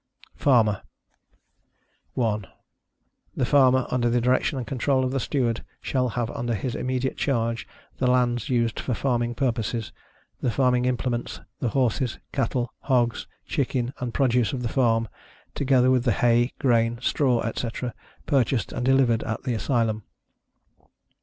FARMER. 1. The Farmer, under the direction and control of the Steward, shall have under his immediate charge, the lands used for farming purposes; the farming implements, the horses, cattle, hogs, chickens and produce of the farm, together with the hay, grain, straw, etc., purchased and delivered at the Asylum.